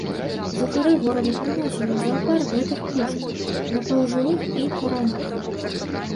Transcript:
Жыхары горада прыносілі ў заапарк гэтых птушак, напаўжывых і параненых.